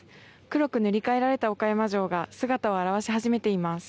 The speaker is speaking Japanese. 黒く塗り変えられた岡山城が姿を現し始めています。